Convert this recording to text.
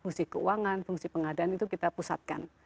fungsi keuangan fungsi pengadaan itu kita pusatkan